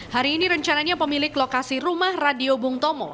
hari ini rencananya pemilik lokasi rumah radio bung tomo